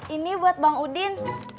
ini buat bang udin